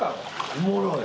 おもろい。